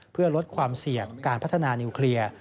เพื่อลดความเสี่ยงการพัฒนานิวเคลียร์